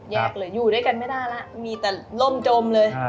อยู่ด้วยกันไม่ได้อะมีแต่โล่มโจมเลย